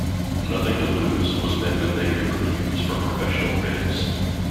"Nothing to Lose" was met with negative reviews from professional critics.